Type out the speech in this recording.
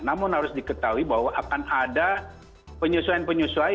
namun harus diketahui bahwa akan ada penyesuaian penyesuaian